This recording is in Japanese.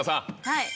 はい。